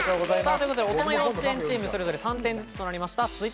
ということで、大人、幼稚園チーム、それぞれ３点ずつとなりました。